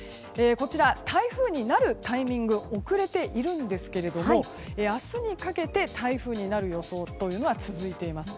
こちらは台風になるタイミングが遅れているんですけども明日にかけて台風になる予想というのは続いています。